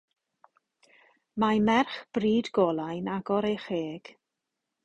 Mae merch bryd golau'n agor ei cheg.